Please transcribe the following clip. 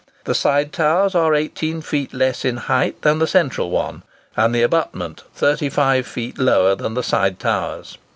The side towers are 18 feet less in height than the central one, and the abutment 35 feet lower than the side towers.